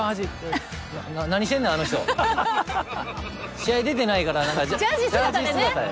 試合出てないからジャージ姿や。